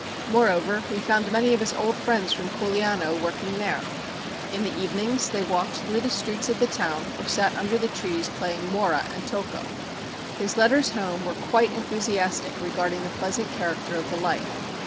Moreover, he found many of his old friends from Culiano working there. In the evenings they walked through the streets of the town or sat under the trees playing mora and tocco. His letters home were quite enthusiastic regarding the pleasant character of the life.